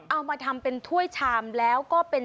เอามาทำเป็นถ้วยชามแล้วก็เป็น